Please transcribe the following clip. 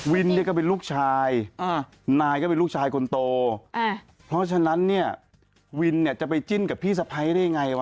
วินเนี่ยก็เป็นลูกชายนายก็เป็นลูกชายคนโตเพราะฉะนั้นเนี่ยวินเนี่ยจะไปจิ้นกับพี่สะพ้ายได้ไงวะ